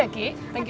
terima kasih rendy